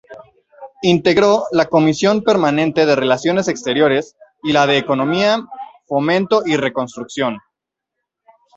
Integró la Comisión Permanente de Relaciones Exteriores; y la de Economía, Fomento y Reconstrucción.